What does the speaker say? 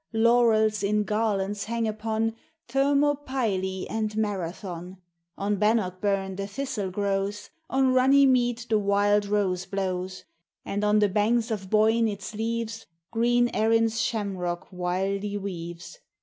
Laurels in garlands hang upon Thermopylae and Marathon â On Bannockburn the thistle grows â On Runny Mead the wild rose blows ; And on the banks of Boyne, its leaves Green Erin's shamrock wildly weaves.